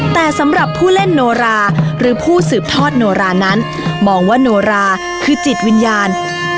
แต่สำหรับผู้เล่นโนราหรือผู้สืบทอดโนรานั้นมองว่าโนราคือจิตวิญญาณ